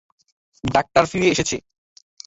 Doctor ফিরে এসেছে।